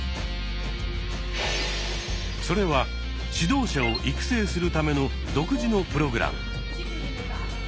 それは指導者を育成するための独自のプログラム。